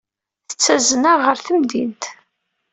Tettazen-aɣ ɣer temdint.